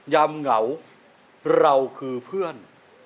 เหงาเราคือเพื่อน